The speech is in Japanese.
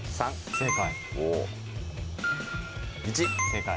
正解。